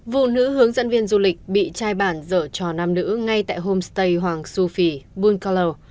vụ nữ hướng dẫn viên du lịch bị trai bản dở trò nam nữ ngay tại homestay hoàng su phi bunkalo